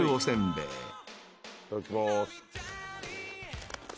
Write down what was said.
いただきます。